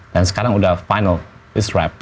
dan sekarang udah final it's wrapped